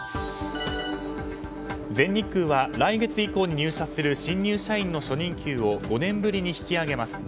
全日空は来月以降に入社する新入社員の初任給を５年ぶりに引き上げます。